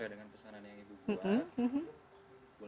dengan pesanan yang ibu buat